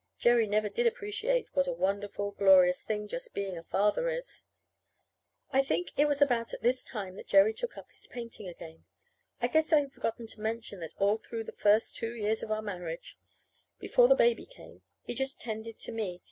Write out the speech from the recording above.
Jerry never did appreciate what a wonderful, glorious thing just being a father is. I think it was at about this time that Jerry took up his painting again. I guess I have forgotten to mention that all through the first two years of our marriage, before the baby came, he just tended to me.